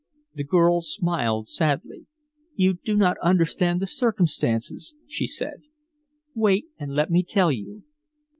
The girl smiled sadly. "You do not understand the circumstances," she said. "Wait, and let me tell you."